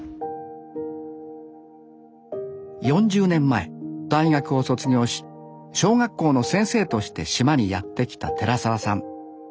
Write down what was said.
４０年前大学を卒業し小学校の先生として島にやって来た寺沢さん。